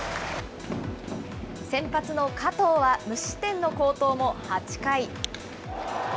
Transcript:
先発の加藤は、無失点の好投も８回。